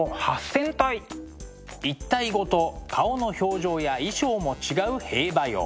１体ごと顔の表情や衣装も違う兵馬俑。